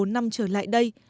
ba bốn năm trở lại đây